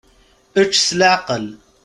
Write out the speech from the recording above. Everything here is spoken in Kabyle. Ečč s leɛqel.